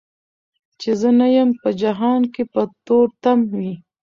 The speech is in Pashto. چي زه نه یم په جهان کي به تور تم وي